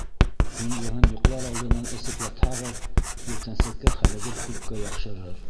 Һуңғыһын йоҡлар алдынан эсеп ятһағыҙ, иртәнсәккә хәлегеҙ күпкә яҡшырыр.